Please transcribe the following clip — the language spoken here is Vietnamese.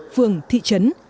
phường thị trấn